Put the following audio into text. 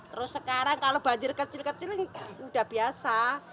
terus sekarang kalau banjir kecil kecil udah biasa